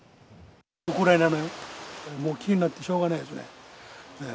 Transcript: ウクライナの、もう気になってしょうがないですね。